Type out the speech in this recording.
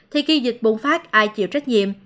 thì khi dịch bùng phát ai chịu trách nhiệm